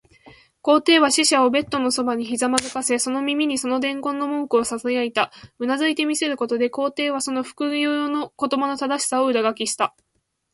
皇帝は使者をベッドのそばにひざまずかせ、その耳にその伝言の文句をささやいた。うなずいて見せることで、皇帝はその復誦の言葉の正しさを裏書きした。